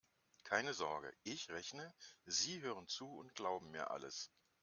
Keine Sorge: Ich rechne, Sie hören zu und glauben mir alles.